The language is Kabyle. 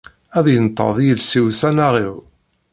Ad inṭeḍ yiles-iw s aneɣ-iw.